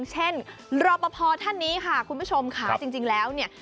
เช่นรพพอท่านนี้ค่ะครับคุณผู้ชมใช่ไหมจริงแล้วเนี่ย